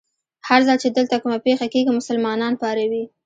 هر ځل چې دلته کومه پېښه کېږي، مسلمانان پاروي.